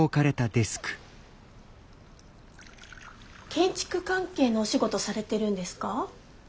建築関係のお仕事されてるんですか？